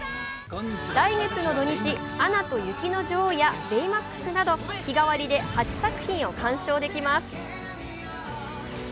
来月の土日、「アナと雪の女王」や「ベイマックス」など日替わりで８作品を鑑賞できます。